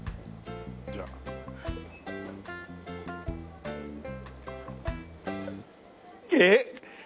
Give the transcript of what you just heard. じゃあ。えっ？